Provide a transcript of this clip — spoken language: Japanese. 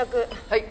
はい！